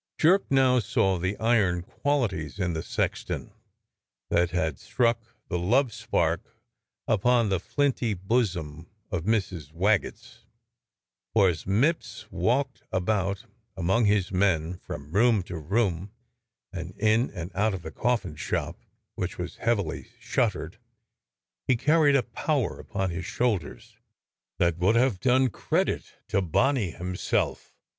Jerk now saw the iron qualities in the sexton that had struck the love spark upon the flinty bosom of Mrs. Waggetts, for as Mipps walked about among his men, from room to room, and in and out of the coffin shop, which was heav ily shuttered, he carried a power upon his shoulders that would have done credit to Boney himself.